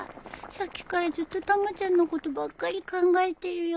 さっきからずっとたまちゃんのことばっかり考えてるよ